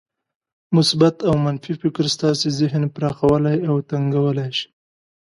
مثبت او منفي فکر ستاسې ذهن پراخولای او تنګولای شي.